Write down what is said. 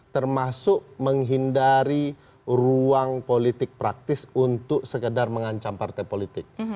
termasuk menghindari ruang politik praktis untuk sekedar mengancam partai politik